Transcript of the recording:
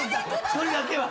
それだけは！